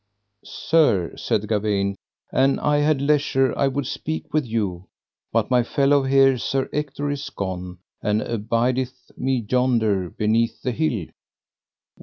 Sir, said Gawaine an I had leisure I would speak with you, but my fellow here, Sir Ector, is gone, and abideth me yonder beneath the hill.